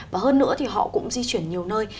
và hơn nữa thì họ cũng di chuyển nhiều nơi